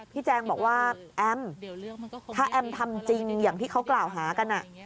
แจงบอกว่าแอมถ้าแอมทำจริงอย่างที่เขากล่าวหากัน